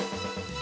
あ！